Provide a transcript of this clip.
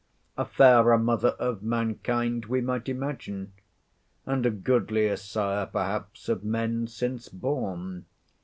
A fairer mother of mankind we might imagine, and a goodlier sire perhaps of men since born.